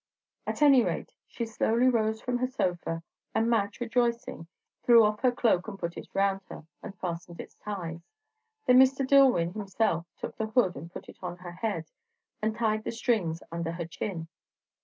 At any rate, she slowly rose from her sofa, and Madge, rejoicing, threw off her cloak and put it round her, and fastened its ties. Then Mr. Dillwyn himself took the hood and put it on her head, and tied the strings under her chin.